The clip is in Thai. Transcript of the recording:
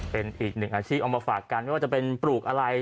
เป็นอีกหนึ่งอาชีพเอามาฝากกันไม่ว่าจะเป็นปลูกอะไร